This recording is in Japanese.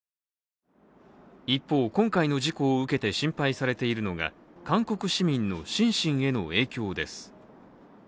一方、今回の事故を受けて心配されているのが韓国市民の心身への影響です。